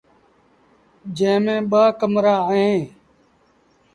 جݩهݩ ميݩ ٻآ ڪمرآ اوهيݩ۔